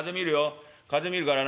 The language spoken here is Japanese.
風見るからな。